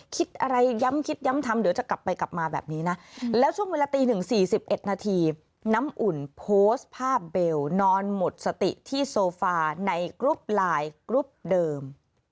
โพสต์ภาพเบลล์นอนหมดสติที่โซฟาในกรุ๊ปไลน์กรุ๊ปเดิม